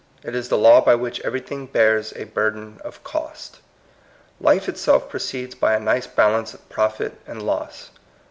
It is the law by which everything bears a burden of cost. Life itself proceeds by a nice balance of profit and loss.